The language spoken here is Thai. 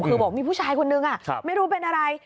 คือบอกมีผู้ชายคนนึงไม่รู้เป็นอะไร